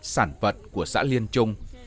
sản vật của xã lên trung